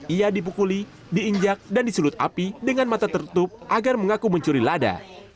ia dipukuli diinjak dan disulut api dengan mata tertutup agar mengaku mencuri lada